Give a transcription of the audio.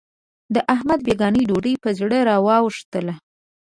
د احمد بېګانۍ ډوډۍ په زړه را وا وښتله.